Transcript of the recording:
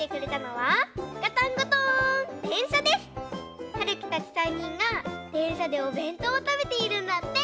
はるきたち３にんがでんしゃでおべんとうをたべているんだって！